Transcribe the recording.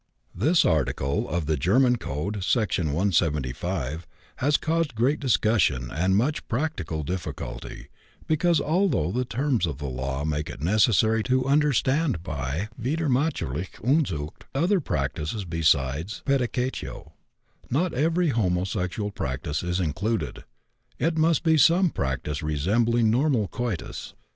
This article of the German Code (Section 175) has caused great discussion and much practical difficulty, because, although the terms of the law make it necessary to understand by widernatürliche Unzucht other practices besides pædicatio, not every homosexual practice is included; it must be some practice resembling normal coitus.